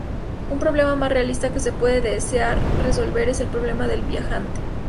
Un problema más realista que se puede desear resolver es el problema del viajante.